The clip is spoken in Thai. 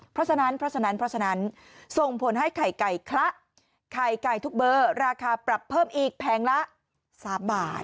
เพราะฉะนั้นเพราะฉะนั้นส่งผลให้ไข่ไก่คละไข่ไก่ทุกเบอร์ราคาปรับเพิ่มอีกแผงละ๓บาท